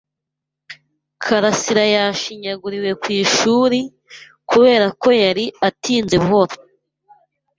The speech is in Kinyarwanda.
Karasirayashinyaguriwe ku ishuri kubera ko yari atinze buhoro.